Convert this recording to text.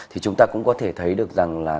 thì chúng ta cũng có thể thấy được rằng là